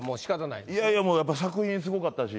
いやいやもうやっぱ作品すごかったし